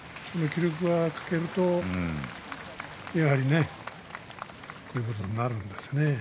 気力が欠けるとやはりこういうことになるんですね。